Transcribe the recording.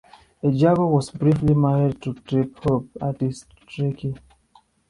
Ejogo was briefly married to Trip-hop artist Tricky.